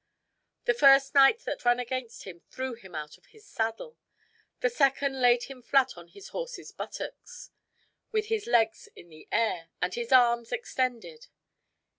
The first knight that ran against him threw him out of his saddle; the second laid him flat on his horse's buttocks, with his legs in the air, and his arms extended.